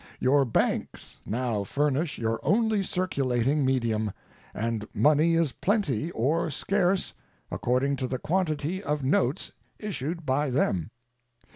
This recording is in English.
Your banks now furnish your only circulating medium, and money is plenty or scarce according to the quantity of notes issued by them.